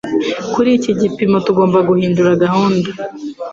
Kuri iki gipimo, tugomba guhindura gahunda.